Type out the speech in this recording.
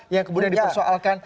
yang kemudian dipersoalkan